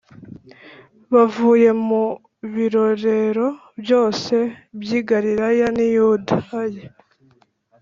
Bavuye mu birorero byose by i galilaya n i yudaya